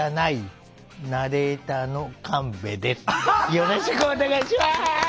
よろしくお願いします！